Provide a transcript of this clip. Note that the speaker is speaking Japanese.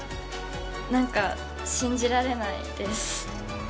なんか信じられないです。